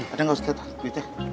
ada gak ustadz duitnya